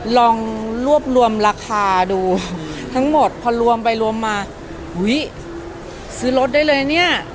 ลองรวบรวมราคาดูทั้งหมดพอรวมไปรวมมาอุ้ยซื้อรถได้เลยเนี่ย